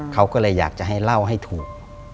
เขาก็เลยอยากจะให้เล่าให้ถูก